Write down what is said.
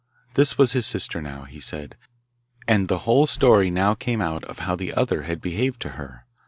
This was his sister now, he said; and the whole story now came out of how the other had behaved to her.